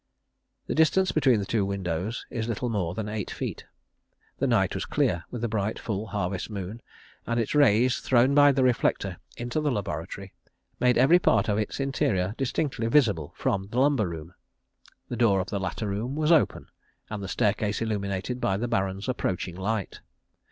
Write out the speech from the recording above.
The distance between the two windows is little more than eight feet. The night was clear, with a bright, full harvest moon, and its rays, thrown by the reflector into the laboratory, made every part of its interior distinctly visible from the lumber room. The door of the latter room was open, and the staircase illuminated by the Baron's approaching light.